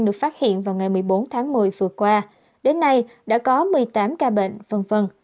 được phát hiện vào ngày một mươi bốn tháng một mươi vừa qua đến nay đã có một mươi tám ca bệnh v v